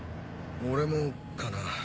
俺もかな。